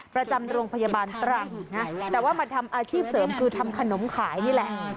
ประจำโรงพยาบาลตรังนะแต่ว่ามาทำอาชีพเสริมคือทำขนมขายนี่แหละ